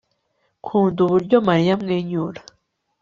nkunda uburyo mariya amwenyura